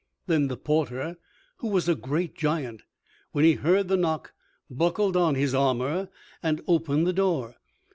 Then the porter, who was a great giant, when he heard the knock buckled on his armor and opened the door.